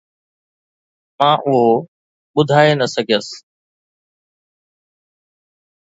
مان اهو ٻڌائي نه سگهيس